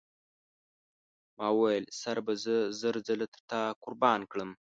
ما وویل سر به زه زر ځله تر تا قربان کړم.